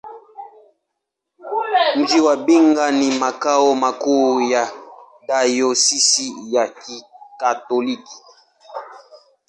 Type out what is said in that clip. Mji wa Mbinga ni makao makuu ya dayosisi ya Kikatoliki.